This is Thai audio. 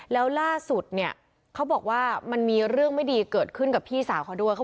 แล้วล่าสุดเนี่ยเขาบอกว่ามันมีเรื่องไม่ดีเกิดขึ้นกับพี่สาวเขาด้วย